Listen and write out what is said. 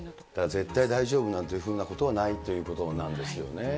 絶対大丈夫なんていうふうなことはないということなんですよね。